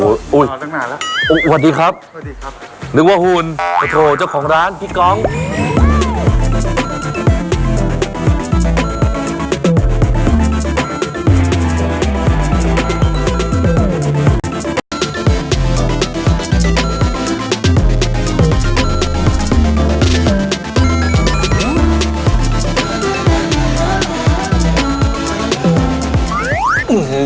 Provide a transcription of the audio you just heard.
อุ๊ยอุ๊ยสวัสดีครับสวัสดีครับนึกว่าหุ่นเจ้าของร้านพี่ก๊อล์อื้อ